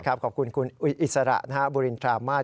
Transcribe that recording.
นะครับขอบคุณคุณอิสระบุรินทรามาท